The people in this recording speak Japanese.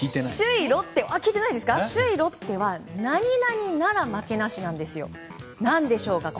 首位ロッテは何々なら負けなしなんですよ。何でしょうか。